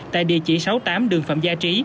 tại địa chỉ sáu mươi tám đường phạm gia trí